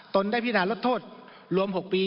ได้พินาลดโทษรวม๖ปี